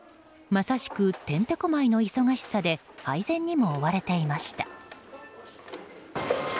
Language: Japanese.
まさしくてんてこ舞いの忙しさで配膳にも追われていました。